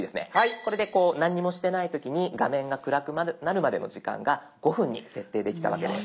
これで何もしてない時に画面が暗くなるまでの時間が５分に設定できたわけです。